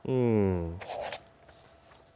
อืม